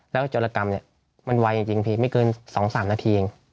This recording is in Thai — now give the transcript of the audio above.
แล้วจรกรรมเนี่ยมันไวจริงพี่ไม่เกิน๒๓นาทีเอง